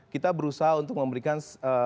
kita berusaha untuk memberikan